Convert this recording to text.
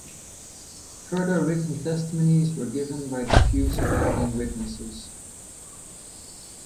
Further written testimonies were given by the few surviving witnesses.